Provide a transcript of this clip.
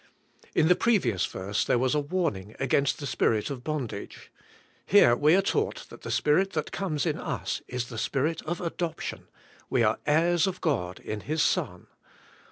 In the previous verse there was a warning ag^ainst the spirit of bondag e, here we are taug*ht that the Spirit that comes in us is the Spirit of adoption; we are the heirs of God in His Son.